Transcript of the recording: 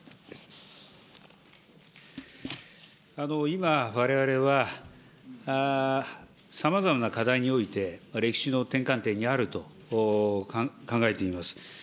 今、われわれはさまざまな課題において、歴史の転換点にあると考えています。